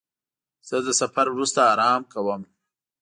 زه د سفر وروسته آرام کوم.